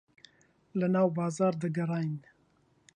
لەناو بازاڕ دەگەڕاین.